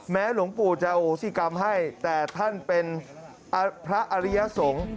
หลวงปู่จะโหสิกรรมให้แต่ท่านเป็นพระอริยสงฆ์